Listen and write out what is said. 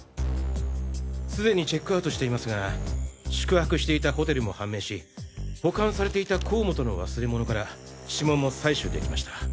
すでにチェックアウトしていますが宿泊していたホテルも判明し保管されていた甲本の忘れ物から指紋も採取できました。